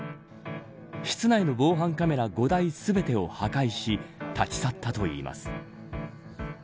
室内の防犯カメラ５台全てを破壊し立ち去ったといいます。